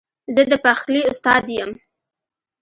زه د پخلي استاد یم